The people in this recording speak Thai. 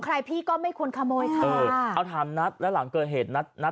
ใครพี่ก็ไม่ควรขโมยค่ะเออเอาถามนัดแล้วหลังเกิดเหตุนัดนัด